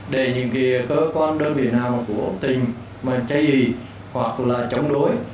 để những cơ quan đơn vị nào của tình chay gì hoặc chống đối